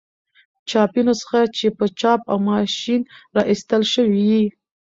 چاپي نسخه چي په چاپ او ما شين را ایستله سوې يي.